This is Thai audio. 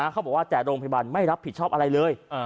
เขาบอกว่าแต่โรงพยาบาลไม่รับผิดชอบอะไรเลย